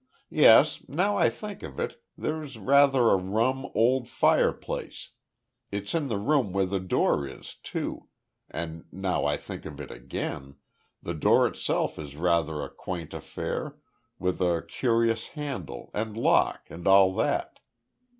Yes, now I think of it there's rather a rum old fireplace. It's in the room where the door is, too, and, now I think of it again, the door itself is rather a quaint affair, with a curious handle, and lock, and all that.